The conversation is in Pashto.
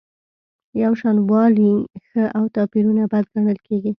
یوشانوالی ښه او توپیرونه بد ګڼل کیږي.